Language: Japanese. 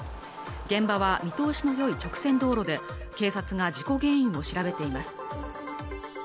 現場は見通しのよい直線道路で警察が事故原因を調べています